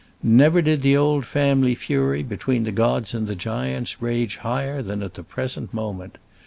Never did the old family fury between the gods and giants rage higher than at the present moment.